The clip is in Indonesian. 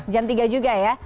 jam tiga juga ya